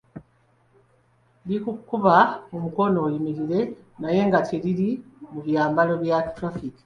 Likukuba omukono oyimirire naye nga teriri mu byambalo bya ba traffic.